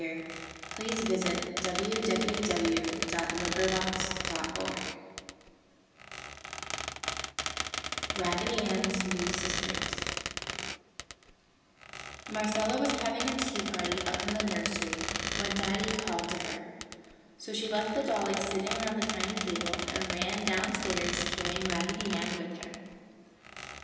RAGGEDY ANN'S NEW SISTERS Marcella was having a tea party up in the nursery when Daddy called to her, so she left the dollies sitting around the tiny table and ran down stairs carrying Raggedy Ann with her.